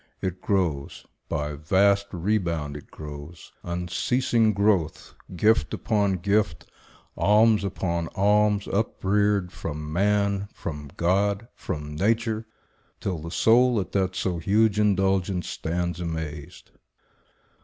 It grows— By vast rebound it grows, unceasing growth; Gift upon gift, alms upon alms, upreared, From man, from God, from nature, till the soul At that so huge indulgence stands amazed.